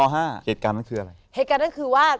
เหตุการณ์นั้นคืออะไรเหตุการณ์นั้นคือว่า